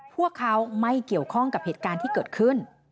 พวกเขาไม่เกี่ยวข้องกับเหตุการณ์ที่เกิดขึ้น